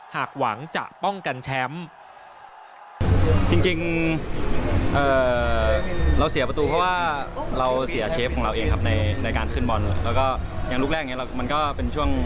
หากหวังจะป้องกันแชมป์